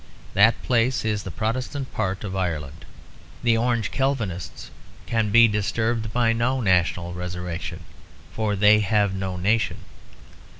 That place is the Protestant part of Ireland. The Orange Calvinists can be disturbed by no national resurrection, for they have no nation.